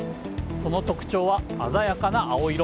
その特徴は鮮やかな青色。